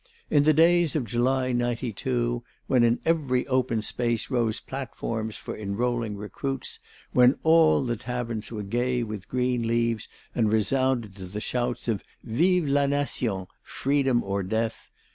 In the days of July, '92, when in every open space rose platforms for enrolling recruits, when all the taverns were gay with green leaves and resounded to the shouts of "Vive la Nation! freedom or death!"